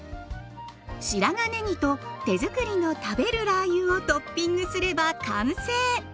白髪ねぎと手づくりの食べるラー油をトッピングすれば完成。